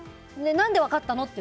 何で分かったの？